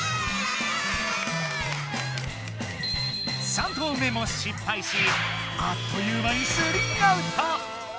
３投目も失敗しあっという間に３アウト。